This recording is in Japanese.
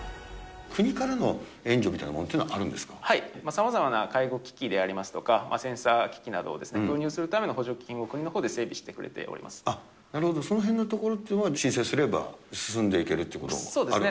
国からの援助みたいなものっさまざまな介護機器でありますとか、センサー機器などを導入するための補助金を、国のほうで整備してなるほど、そのへんのところっていうのは、申請すれば進んでいけるということがあるんですか。